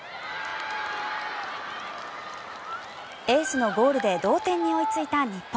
エースのゴールで同点に追いついた日本。